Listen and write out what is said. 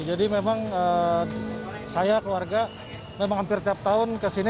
jadi memang saya keluarga memang hampir tiap tahun kesini